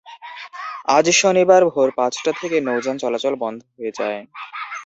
আজ শনিবার ভোর পাঁচটা থেকে নৌযান চলাচল বন্ধ হয়ে যায়।